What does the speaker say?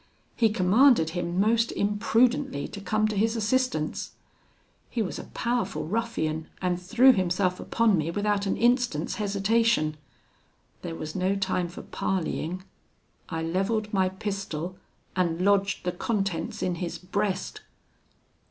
He commanded him, most imprudently, to come to his assistance. He was a powerful ruffian, and threw himself upon me without an instant's hesitation. There was no time for parleying I levelled my pistol and lodged the contents in his breast!